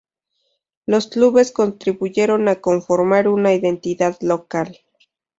Los clubes contribuyeron a conformar una identidad local.